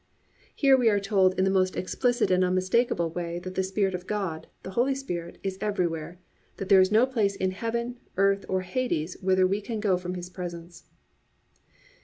"+ Here we are told in the most explicit and unmistakable way that the Spirit of God, the Holy Spirit, is everywhere; that there is no place in heaven, earth or hades whither we can go from His presence.